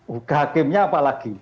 hukum hakimnya apalagi